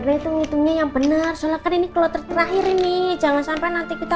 pameran itu ngitungnya yang benar soalnya ini kalau terakhir ini jangan sampai nanti kita